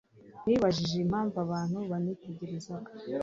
Nibajije impamvu abantu banyitegereza.